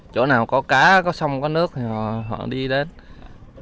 chỗ nào có cá có sông có nước thì họ đi đến